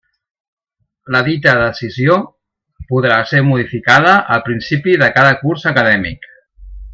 La dita decisió podrà ser modificada al principi de cada curs acadèmic.